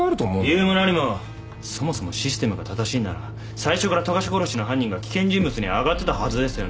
理由も何もそもそもシステムが正しいなら最初から富樫殺しの犯人が危険人物に挙がってたはずですよね？